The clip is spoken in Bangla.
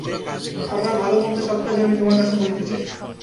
আমার ভালোমন্দ সব আজ আমি তোমার কাছে বলিতে চাই।